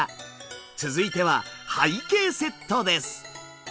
続いては背景セットです。